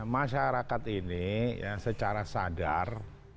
masyarakat ini secara sadar